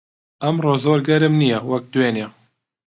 ئەمڕۆ زۆر گەرم نییە وەک دوێنێ.